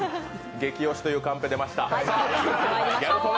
激押しというカンペが出ました。